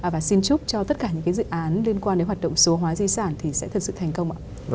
và xin chúc cho tất cả những dự án liên quan đến hoạt động số hóa di sản thì sẽ thực sự thành công ạ